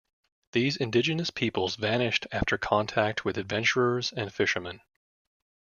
These indigenous peoples vanished after contact with adventurers and fishermen.